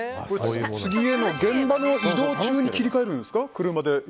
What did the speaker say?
次への現場の移動中に切り替えるんですか？